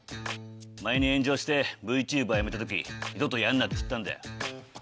前に炎上してＶＴｕｂｅｒやめた時二度とやんなっつったんだよ。